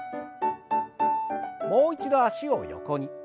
もう一度脚を横に。